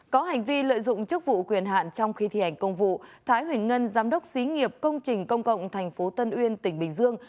có hành vi lợi dụng chức vụ quyền hạn trong khi thi hành công vụ thái huỳnh ngân giám đốc xí nghiệp công trình công cộng tp tân uyên tỉnh bình dương